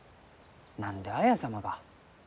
何で綾様が。